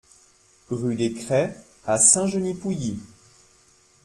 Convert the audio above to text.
Rue des Crêts à Saint-Genis-Pouilly